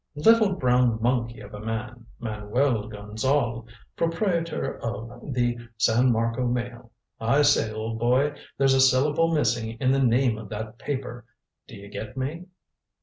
"Little brown monkey of a man Manuel Gonzale, proprietor of the San Marco Mail. I say, old boy, there's a syllable missing in the name of that paper. Do you get me?"